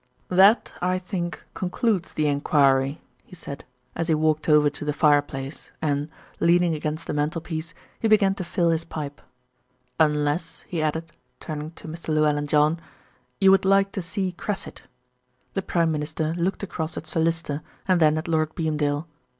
"That I think concludes the enquiry," he said, as he walked over to the fireplace and, leaning against the mantelpiece, he began to fill his pipe. "Unless," he added, turning to Mr. Llewellyn John, "you would like to see Cressit." The Prime Minister looked across at Sir Lyster and then at Lord Beamdale.